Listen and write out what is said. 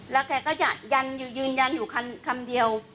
แล้วแกก็จะยืนยันอยู่คำเดียว